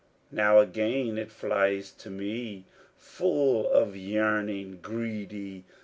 Now again it flies to me Full of yearning, greedy!